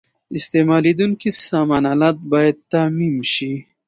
استعمالیدونکي سامان آلات باید تعقیم شي.